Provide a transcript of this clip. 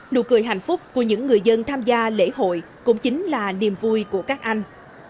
nụ cười hạnh phúc của những người dân tham gia lễ hội cũng chính là niềm vui của các anh